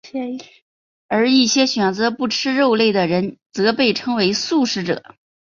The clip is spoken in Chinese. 而一些选择不吃肉类的人则被称为素食者。